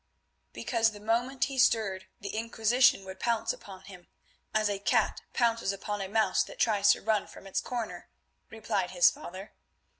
"Because the moment he stirred the Inquisition would pounce upon him, as a cat pounces upon a mouse that tries to run from its corner," replied his father.